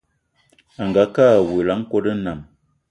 Angakë awula a nkòt nnam